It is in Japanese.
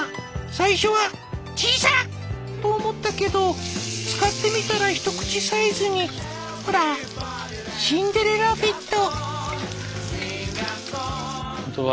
最初は「小さっ！」と思ったけど使ってみたらひとくちサイズにほらシンデレラフィット。